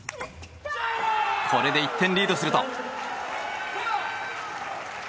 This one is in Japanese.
これで１点リードすると。